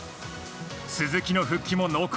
鈴木の復帰も濃厚。